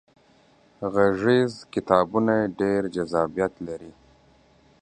غږیز کتابونه ډیر جذابیت لري.